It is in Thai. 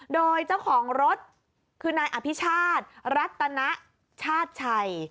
โดยเจ้าของรถคือนายอภิชาติรัตนชาติชัย